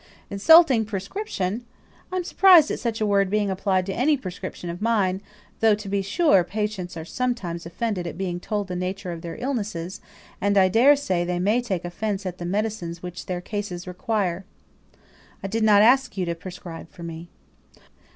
"Insulting prescription! I am surprised at such a word being applied to any prescription of mine though, to be sure, patients are sometimes offended at being told the nature of their illnesses; and, I daresay, they may take offence at the medicines which their cases require." "I did not ask you to prescribe for me."